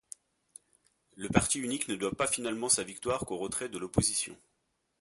Le parti unique ne doit finalement sa victoire qu'au retrait de l'opposition.